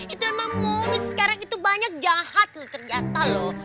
itu emang mulus sekarang itu banyak jahat loh ternyata loh